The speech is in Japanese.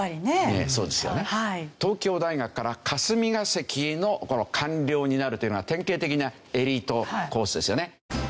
東京大学から霞が関のこの官僚になるというのは典型的なエリートコースですよね。